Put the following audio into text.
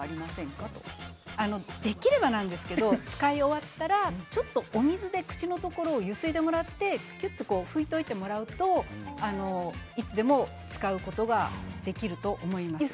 できればなんですけれども使い終わったら、ちょっと水で口のところをゆすいでもらって拭いておいてもらうといつでも使うことができると思います。